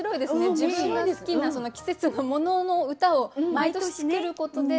自分が好きな季節のものの歌を毎年作ることで。